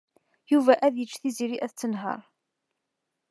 Yuba ad yeǧǧ Tiziri ad tenheṛ.